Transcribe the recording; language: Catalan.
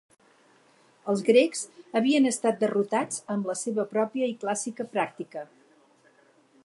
Els grecs havien estat derrotats amb la seva pròpia i clàssica pràctica.